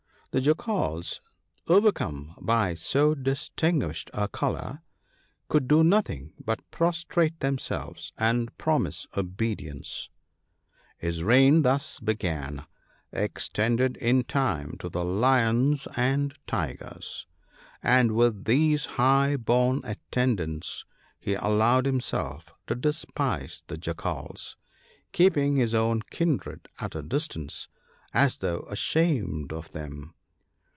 '" The Jackals, overcome by so distinguished a colour, could do nothing but prostrate themselves and promise obedience. His reign, thus begun, extended in time to the lions and tigers ; and with these high born attendants he allowed himself to despise the Jackals, keeping his own kindred at a distance, as though ashamed of them.